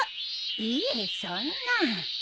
いえそんな。